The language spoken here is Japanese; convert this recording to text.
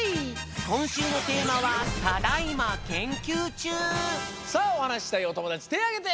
こんしゅうのテーマはさあおはなししたいおともだちてあげて！